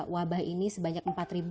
wabah ini sebanyak empat dua ratus satu